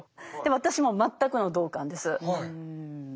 私も全くの同感です。